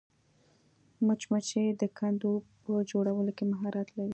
مچمچۍ د کندو په جوړولو کې مهارت لري